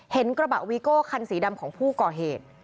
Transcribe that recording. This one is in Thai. เห็นกระบะวีโก้คันสีดำของผู้ก่อเหตุ